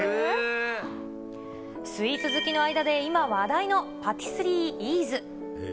スイーツ好きの間で今、話題のパティスリーイーズ。